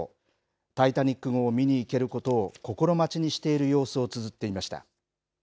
タイタニック号を見に行けることを心待ちにしている様子をつづっていました。